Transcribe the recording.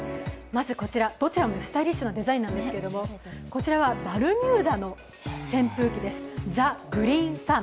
どちらもスタイリッシュなデザインなんですけれども、こちらはバルミューダの扇風機です。ＴｈｅＧｒｅｅｎＦａｎ。